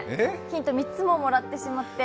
ヒント３つももらってしまって。